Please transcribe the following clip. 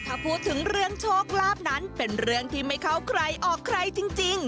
ถ้าพูดถึงเรื่องโชคลาภนั้นเป็นเรื่องที่ไม่เข้าใครออกใครจริง